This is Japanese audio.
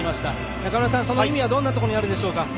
中村さん、その意味はどんなところにあるでしょうか。